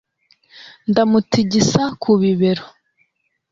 ndamutigisa ku bibero